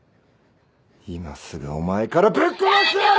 今すぐお前からぶっ殺してやる！